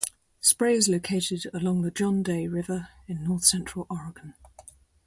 Spray is located along the John Day River in north-central Oregon.